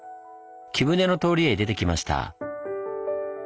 貴船の通りへ出てきました。